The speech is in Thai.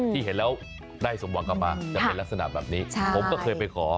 ที่เห็นแล้วได้สมหวังกลับมาจะเป็นลักษณะแบบนี้ผมก็เคยไปขอ